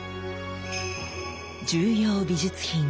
重要美術品